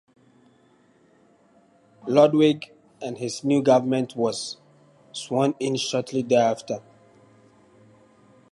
Ludwig and his new government was sworn in shortly thereafter.